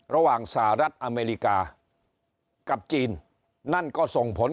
สหรัฐอเมริกากับจีนนั่นก็ส่งผล